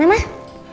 gak ada apa apa